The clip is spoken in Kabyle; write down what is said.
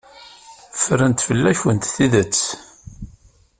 Ffrent fell-akent tidet.